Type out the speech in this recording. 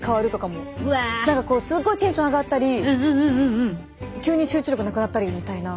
何かすごいテンション上がったり急に集中力なくなったりみたいな。